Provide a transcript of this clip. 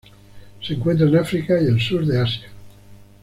Se encuentra en África y el sur de Asia.